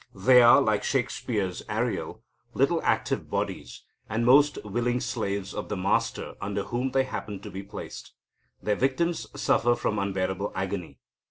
They are, like Shakespeare's Ariel, little active bodies, and most willing slaves of the master under whom they happen to be placed. Their victims suffer from unbearable agony.